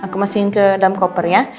aku masihin ke dalam kopernya